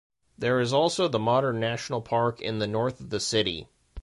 There is also the modern National Park in the north of the city.